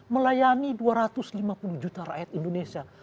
melayani dua ratus lima puluh juta rakyat indonesia